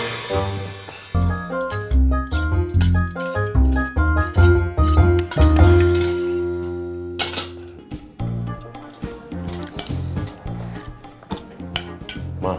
ma kamu udah makan